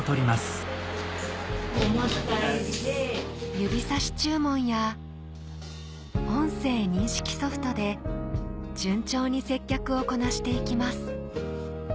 指さし注文や音声認識ソフトで順調に接客をこなしていきます